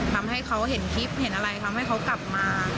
ทำให้เขาเห็นคลิปเห็นอะไรทำให้เขากลับมา